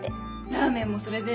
ラーメンもそれで？